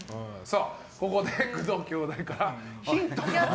ここで工藤兄弟からヒントが。